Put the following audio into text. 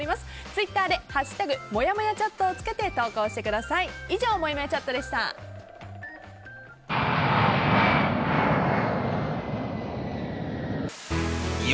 ツイッターで「＃もやもやチャット」をつけて投稿してください。